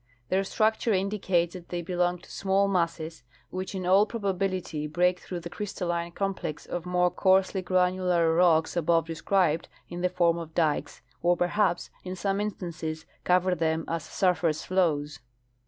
Their structure indicates that they belong to small masses, which in all probability break through the crystalline complex of more coarsely granular rocks above described in the form of dikes, or perhaps in some instances cover them as surface flows.